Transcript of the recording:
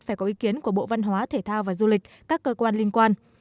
phải có ý kiến của bộ văn hóa thể thao và du lịch các cơ quan liên quan